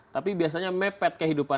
tapi biasanya mepet kehidupan